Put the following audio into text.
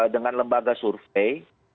dengan lembaga survei